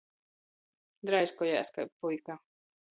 Draiskojās kai puika.